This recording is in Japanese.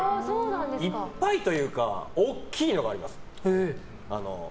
いっぱいというか大きいのがあります。